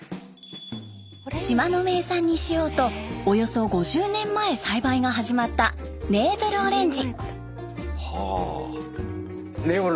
島の名産にしようとおよそ５０年前栽培が始まったネーブルオレンジ。